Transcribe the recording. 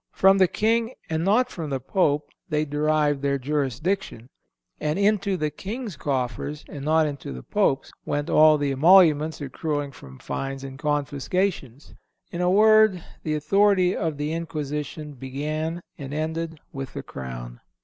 From the King, and not from the Pope, they derived their jurisdiction, and into the King's coffers, and not into the Pope's, went all the emoluments accruing from fines and confiscations. In a word, the authority of the Inquisition began and ended with the crown.